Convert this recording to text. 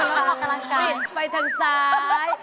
บิดไปทางซ้าย